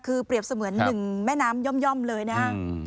คือเปรียบเสมือนหนึ่งแม่น้ำย่อมเลยนะฮะ